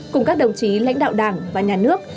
cùng các đồng chí lãnh đạo đảng và nhà nước